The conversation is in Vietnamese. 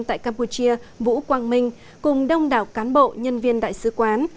tại campuchia vũ quang minh cùng đông đảo cán bộ nhân viên đại sứ quán